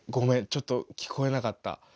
ちょっと聞こえなかった。